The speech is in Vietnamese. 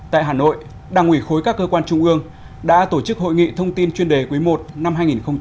tại hà nội đảng ủy khối các cơ quan trung ương đã tổ chức hội nghị thông tin chuyên đề quý i năm hai nghìn hai mươi